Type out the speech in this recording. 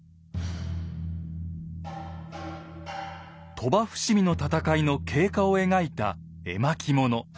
鳥羽伏見の戦いの経過を描いた絵巻物。